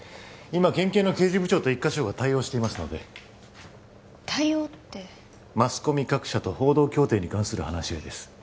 今県警の刑事部長と一課長が対応していますので対応ってマスコミ各社と報道協定に関する話し合いです